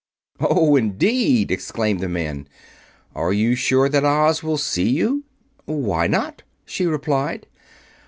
"Oh, indeed!" exclaimed the man. "Are you sure that Oz will see you?" "Why not?" she replied.